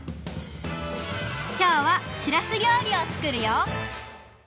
きょうはしらす料理を作るよ！